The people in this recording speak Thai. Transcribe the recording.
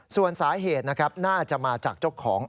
ส่วนสาเหตุนะครับน่าจะมาจากเจ้าของ